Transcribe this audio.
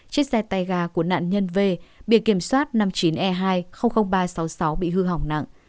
chiếc xe tay gà của nạn nhân v bị kiểm soát năm mươi chín e hai nghìn ba trăm sáu mươi sáu bị hư hỏng nặng